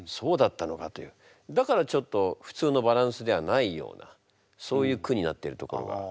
だからちょっと普通のバランスじゃないようなそういう句になってるところが。